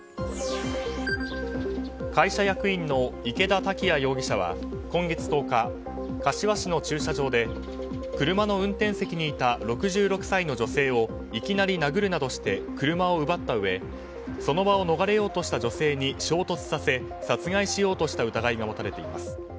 会社役員のイケダ・タキヤ容疑者は今月１０日柏市の駐車場で車の運転席にいた６６歳の女性をいきなり殴るなどして車を奪ったうえその場を逃れようとした女性を衝突させ、殺害しようとした疑いが持たれています。